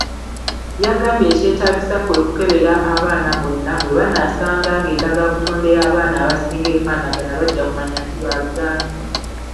Yagambye ekyetaagisa kwe kukebera abaana bonna bwe banaasanga ng'endagabutonde y'abaana abasinga efaanagana bajja kumanya nti baaluganda.